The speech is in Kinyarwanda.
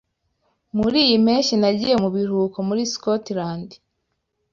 Muriyi mpeshyi nagiye mu biruhuko muri Scotland.